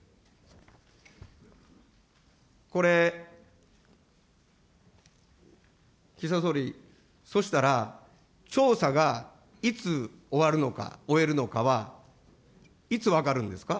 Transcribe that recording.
これ、岸田総理、そしたら、調査がいつ終わるのか、終えるのかは、いつ分かるんですか。